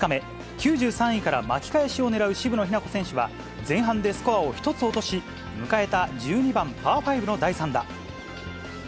９３位から巻き返しを狙う渋野日向子選手は前半でスコアを１つ落とし、迎えた１２番パー５の第３打。